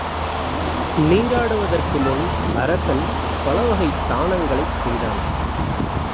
நீராடுவதற்கு முன் அரசன் பலவகைத் தானங்களைச் செய்தான்.